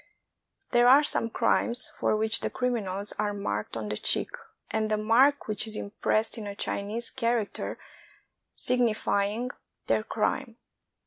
There are some crimes for which the criminals are marked on the cheek, and the mark which is impressed is a Chinese character signifying their crime.